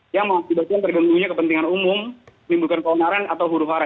yang mengakibatkan tergantungnya kepentingan umum memulakan keonaran atau huru hara